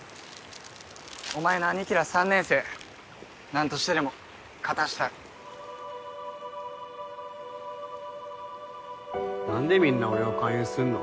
お前の兄貴ら３年生何としてでも勝たしたい何でみんな俺を勧誘すんの？